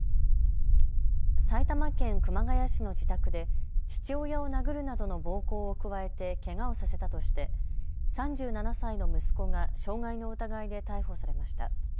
埼玉県熊谷市の自宅で父親を殴るなどの暴行を加えてけがをさせたとして３７歳の息子が傷害の疑いで逮捕されました。